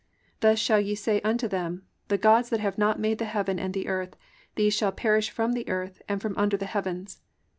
(11) Thus shall ye say unto them, the gods that have not made the heaven and the earth, these shall perish from the earth, and from under the heavens.